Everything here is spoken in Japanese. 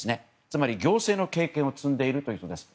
つまり行政の経験を積んでいるということです。